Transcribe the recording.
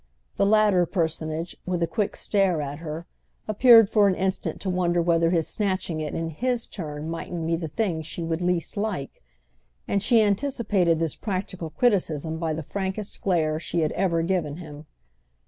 The latter personage, with a quick stare at her, appeared for an instant to wonder whether his snatching it in his turn mightn't be the thing she would least like, and she anticipated this practical criticism by the frankest glare she had ever given him.